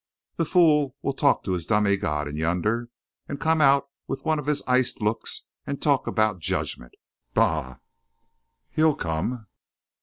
The fool will talk to his dummy god in yonder and come out with one of his iced looks and talk about 'judgment'! Bah!" "He'll come."